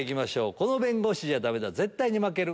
「この弁護士じゃダメだ絶対に負ける」